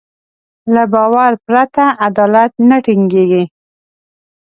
له باور پرته عدالت نه ټينګېږي.